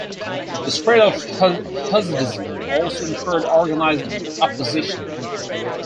The spread of Hasidism also incurred organized opposition.